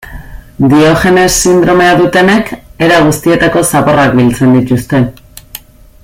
Diogenes sindromea dutenek era guztietako zaborrak biltzen dituzte.